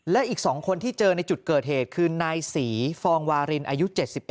และอีก๒คนที่เจอในจุดเกิดเหตุคือนายศรีฟองวารินอายุ๗๑